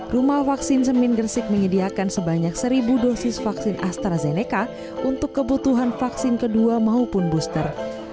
rumah vaksin semin gresik menyediakan sebanyak seribu dosis vaksin astrazeneca untuk kebutuhan vaksin kedua maupun booster